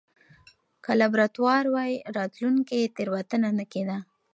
که لابراتوار واي، راتلونکې تېروتنه نه کېده.